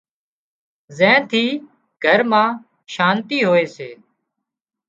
زين ٿِي گھر مان شانتي هوئي سي